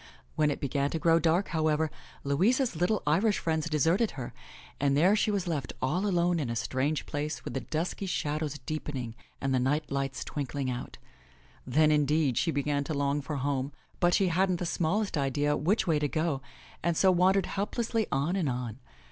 When it began to grow dark, however, Louisa's little Irish friends deserted her, and there she was left all alone in a strange place with the dusky shad ows deepening and the night lights twinkling out. Then, indeed, she began to long for home, but she hadn't the smallest idea which way to go and so wandered helplessly on and on.